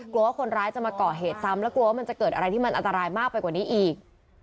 กลัวว่าคนร้ายจะมาก่อเหตุซ้ำแล้วกลัวว่ามันจะเกิดอะไรที่มันอันตรายมากไปกว่านี้อีก